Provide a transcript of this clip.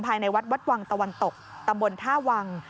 ภายในวัดวัดวังตะวันตกตำบลท่าวัง